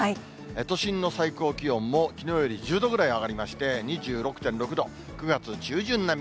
都心の最高気温もきのうより１０度ぐらい上がりまして、２６．６度、９月中旬並み。